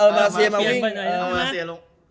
เออมาราเซียลง